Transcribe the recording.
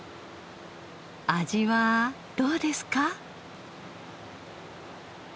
味はどうですか？